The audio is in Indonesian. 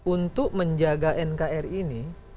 untuk menjaga nkri ini